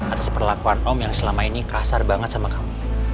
atas perlakuan om yang selama ini kasar banget sama kamu